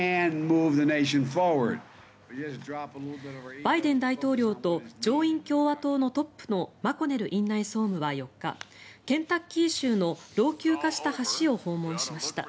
バイデン大統領と上院共和党のトップのマコネル院内総務は４日ケンタッキー州の老朽化した橋を訪問しました。